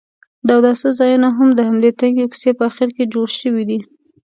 د اوداسه ځایونه هم د همدې تنګې کوڅې په اخر کې جوړ شوي دي.